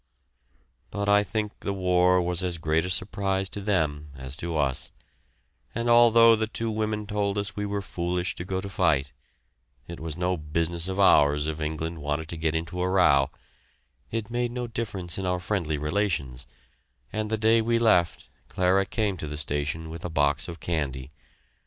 But I think the war was as great a surprise to them as to us, and although the two women told us we were foolish to go to fight it was no business of ours if England wanted to get into a row it made no difference in our friendly relations, and the day we left Clara came to the station with a box of candy.